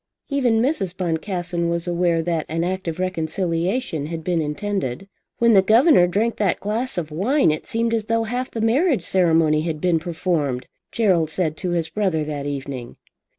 Even Mrs. Boncassen was aware that an act of reconciliation had been intended. "When the governor drank that glass of wine it seemed as though half the marriage ceremony had been performed," Gerald said to his brother that evening.